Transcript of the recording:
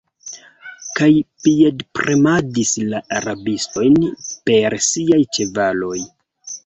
kaj piedpremadis la rabistojn per siaj ĉevaloj.